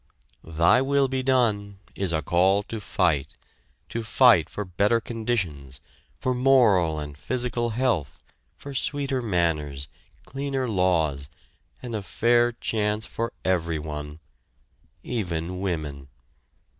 "Thy will be done" is a call to fight to fight for better conditions, for moral and physical health, for sweeter manners, cleaner laws, for a fair chance for everyone, even women!